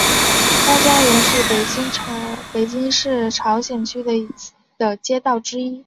潘家园是北京市朝阳区的街道之一。